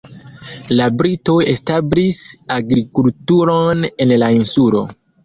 La britoj establis agrikulturon en la insulo.